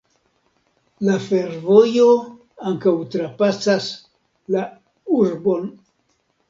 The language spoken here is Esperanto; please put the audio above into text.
La fervojo ankaŭ trapasas la urbon.